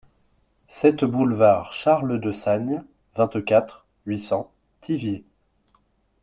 sept boulevard Charles Dessagne, vingt-quatre, huit cents, Thiviers